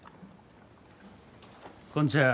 こんちは。